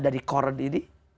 dari qoran ini